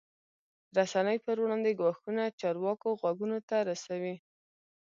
رسنۍ پر وړاندې ګواښونه چارواکو غوږونو ته رسوي.